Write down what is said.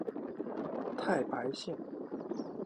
太白线